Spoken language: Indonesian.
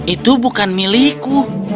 itu bukan milikku